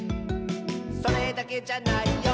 「それだけじゃないよ」